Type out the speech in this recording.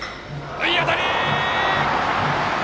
いい当たり！